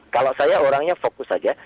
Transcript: kalau saya orangnya fokus saja